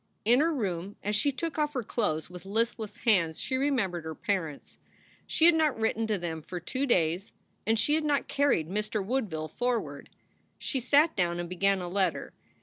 In her room as she took off her clothes with listless hands she remembered her parents. She had not written to them for two days, and she had not carried Mr. Woodville forward. She sat down and began a letter.